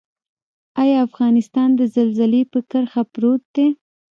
آیا افغانستان د زلزلې په کرښه پروت دی؟